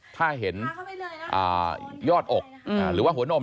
ถ้าเห็นยอดอกหรือว่าหัวนม